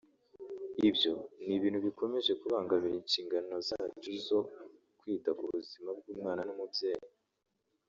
ibyo ni ibintu bikomeje kubangamira inshingano zaco zu kwita ku buzima bw’umwana n’umubyeyi”